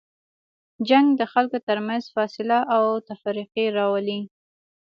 جنګ د خلکو تر منځ فاصله او تفرقې راولي.